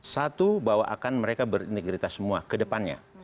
satu bahwa akan mereka berintegritas semua ke depannya